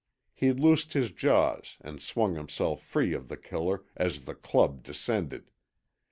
He loosed his jaws and swung himself free of The Killer as the club descended.